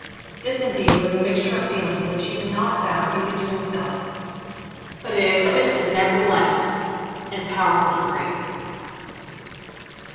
This, indeed, was a mixture of feeling which he did not avow even to himself, but it existed, nevertheless, in a powerful degree.